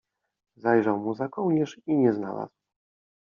Zajrzał mu za kołnierz i nie znalazł.